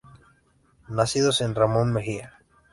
Nacido en Ramos Mejía.